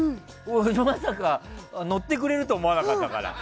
まさか、乗ってくれると思わなかったから。